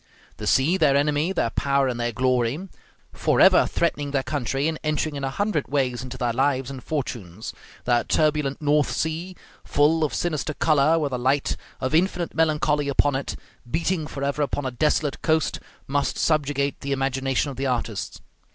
The sea, their enemy, their power, and their glory, forever threatening their country, and entering in a hundred ways into their lives and fortunes; that turbulent North Sea, full of sinister color, with a light of infinite melancholy upon it, beating forever upon a desolate coast, must subjugate the imagination of the artist.